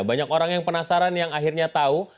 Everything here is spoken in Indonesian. banyak orang yang penasaran yang akhirnya tahu